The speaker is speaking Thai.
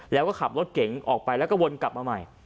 แล้วก็ขับรถเก๋งออกไปแล้วก็วนกลับมาใหม่